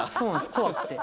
怖くて。